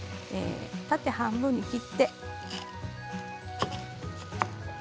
縦半分に切って。